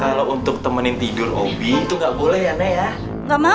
kalau untuk temenin tidur hobi itu nggak boleh ya nak ya